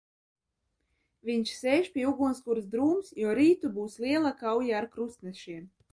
Viņš sēž pie ugunskurs drūms, jo rītu būs liela kauja ar krustnešiem.